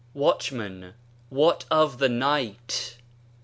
Watchman, what of the night?